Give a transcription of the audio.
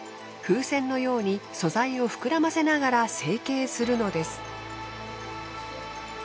風船のように素材を膨らませながら成形するのです。